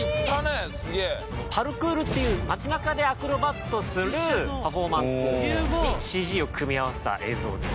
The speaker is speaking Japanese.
パルクールっていう街なかでアクロバットするパフォーマンスにＣＧを組み合わせた映像です。